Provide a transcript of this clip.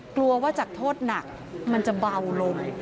กลัวว่าจากโทษหนักมันจะเบาลง